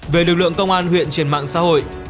về lực lượng công an huyện trên mạng xã hội